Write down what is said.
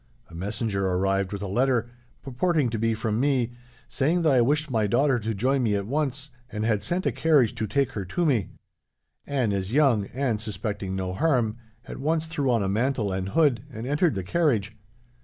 A messenger arrived with a letter, purporting to be from me, saying that I wished my daughter to join me at once, and had sent a carriage to take her to me. Anne is young, and, suspecting no harm, at once threw on a mantle and hood, and entered the carriage.